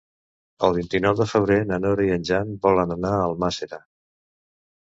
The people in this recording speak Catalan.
El vint-i-nou de febrer na Nora i en Jan volen anar a Almàssera.